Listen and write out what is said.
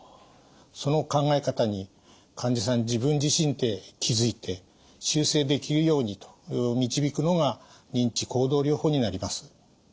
その考え方に患者さん自分自身で気付いて修正できるようにと導くのが認知行動療法になります。